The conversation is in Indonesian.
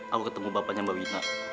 aku ketemu bapaknya mbak wina